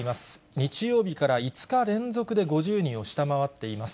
日曜日から５日連続で５０人を下回っています。